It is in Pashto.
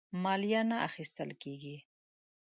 مالیه نه اخیستله کیږي.